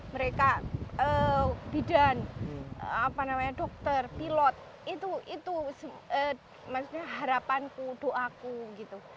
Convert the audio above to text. mereka bidan dokter pilot itu maksudnya harapanku doaku gitu